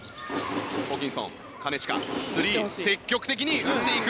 ホーキンソン、金近スリー、積極的に打っていく。